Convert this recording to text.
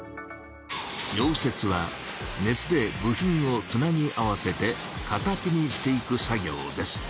溶接は熱で部品をつなぎ合わせて形にしていく作業です。